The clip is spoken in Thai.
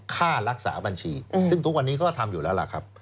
ค่ารักษาบัญชีซึ่งทุกวันนี้เขาก็ทำอยู่แล้วล่ะครับ